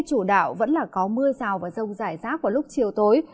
chủ đạo vẫn là có mưa rào và rông rải rác vào lúc chiều tối